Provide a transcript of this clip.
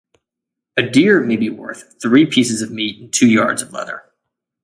A deer may be worth three pieces of meat and two yards of leather.